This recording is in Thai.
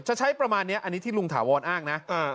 ใช้ประมาณนี้อันนี้ที่ลุงถาวรอ้างนะ